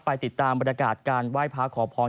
ติดตามบรรยากาศการไหว้พระขอพร